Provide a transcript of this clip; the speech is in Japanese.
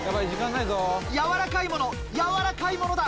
やわらかいものやわらかいものだ。